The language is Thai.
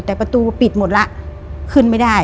แต่ประตูปิดหมดแล้วขึ้นไม่ได้